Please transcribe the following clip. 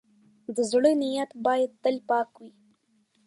د زړۀ نیت باید تل پاک وي.